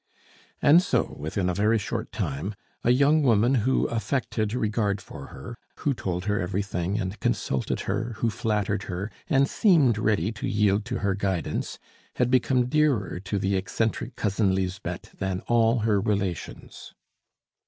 And so, within a very short time, a young woman who affected regard for her, who told her everything, and consulted her, who flattered her, and seemed ready to yield to her guidance, had become dearer to the eccentric Cousin Lisbeth than all her relations.